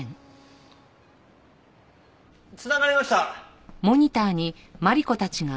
繋がりました。